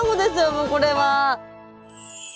もうこれは。